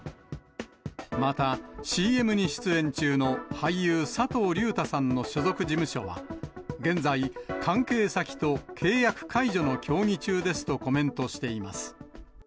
またＣＭに出演中の俳優、佐藤隆太さんの所属事務所は、現在、関係先と契約解除の協議中ですとコメントしています。